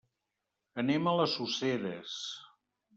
Anem a les Useres.